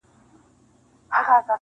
ستا د خوبونو نازولي عطر -